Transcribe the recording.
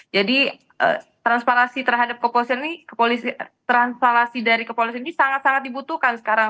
jadi transparansi terhadap kepolisian ini sangat sangat dibutuhkan sekarang